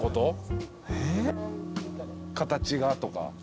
形がとか。